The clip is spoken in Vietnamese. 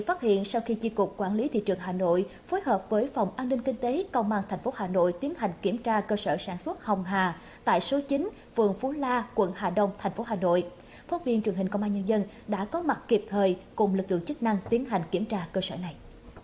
phát viên truyền hình công an nhân dân đã có mặt kịp thời cùng lực lượng chức năng tiến hành kiểm tra cơ sở này